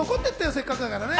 せっかくだからね。